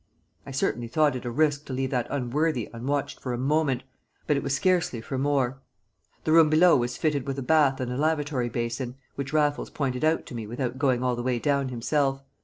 I certainly thought it a risk to leave that worthy unwatched for a moment, but it was scarcely for more. The room below was fitted with a bath and a lavatory basin, which Raffles pointed out to me without going all the way down himself.